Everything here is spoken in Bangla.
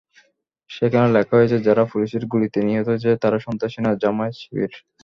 সেখানে লেখা হয়েছে, যারা পুলিশের গুলিতে নিহত হয়েছে, তারা সন্ত্রাসী না, জামায়াত-শিবির।